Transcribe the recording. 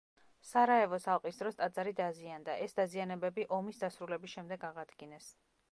სარაევოს ალყის დროს ტაძარი დაზიანდა, ეს დაზიანებები ომის დასრულების შემდეგ აღადგინეს.